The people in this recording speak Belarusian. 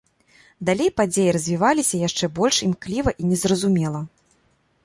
Далей падзеі развіваліся яшчэ больш імкліва і незразумела.